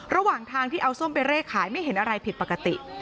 ระหว่างทางที่เอาส้มไปเร่ขายไม่เห็นอะไรผิดปกติ